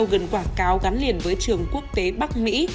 học trường quốc tế mỹ có một trường gắn liền với trường quốc tế bắc mỹ